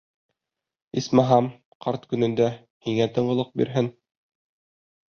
Исмаһам, ҡарт көнөндә һиңә тынғылыҡ бирһен!